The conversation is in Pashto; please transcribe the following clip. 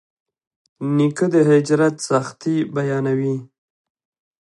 نیکه د هجرت سختۍ بیانوي.